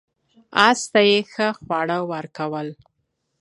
اس ته یې ښه خواړه ورکول.